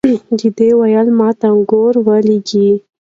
دې وويل ما ټنګور ولېږئ.